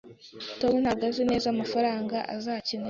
Tom ntabwo azi neza amafaranga azakenera